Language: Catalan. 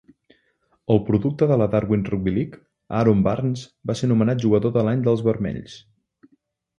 El producte de la Darwin Rugby League, Aaron Barnes, va ser nomenat jugador de l'any dels Vermells.